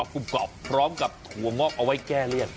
กรุบกรอบพร้อมกับถั่วงอกเอาไว้แก้เลี่ยน